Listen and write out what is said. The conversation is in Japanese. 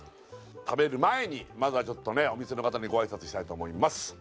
食べる前にまずはちょっとねお店の方にご挨拶したいと思います